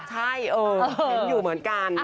ใช่เห็นอยู่เหมือนกัน